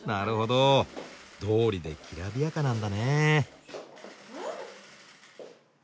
どうりできらびやかなんだね。